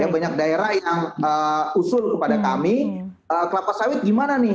banyak daerah yang usul kepada kami kelapa sawit gimana nih